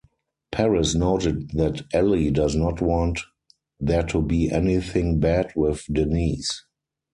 Paris noted that Ellie does not want "there to be anything bad with Denise".